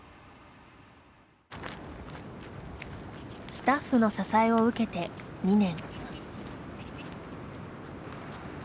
スタッフの支えを受けて２年。